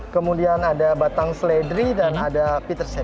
kemudian ada batang seledri dan ada peter set